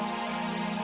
kamu dah tahu siapa dia